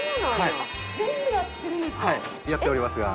はいやっておりますが。